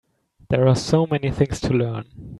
There are so many things to learn.